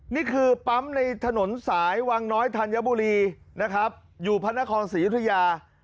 นี่คือปั๊มในถนนสายวังน้อยธัญบุรีนะครับอยู่พระนครศรียุธยา